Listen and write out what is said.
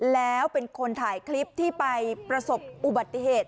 แล้วเป็นคนถ่ายคลิปที่ไปประสบอุบัติเหตุ